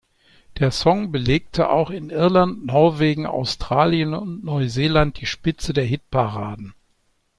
Der Song belegte auch in Irland, Norwegen, Australien und Neuseeland die Spitze der Hitparaden.